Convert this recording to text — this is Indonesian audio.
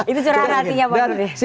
itu curang hatinya pak nurdin